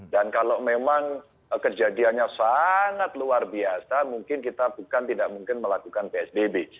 dan kalau memang kejadiannya sangat luar biasa mungkin kita bukan tidak mungkin melakukan psbb